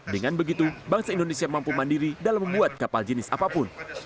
dengan begitu bangsa indonesia mampu mandiri dalam membuat kapal jenis apapun